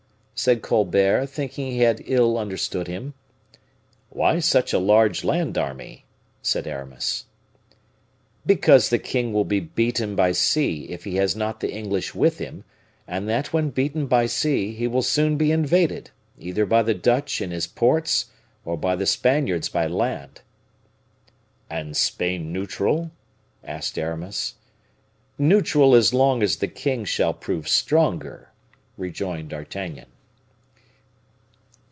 said Colbert, thinking he had ill understood him. "Why such a large land army?" said Aramis. "Because the king will be beaten by sea if he has not the English with him, and that when beaten by sea, he will soon be invaded, either by the Dutch in his ports, or by the Spaniards by land." "And Spain neutral?" asked Aramis. "Neutral as long as the king shall prove stronger," rejoined D'Artagnan.